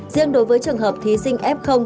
riêng đối với trường hợp thí sinh f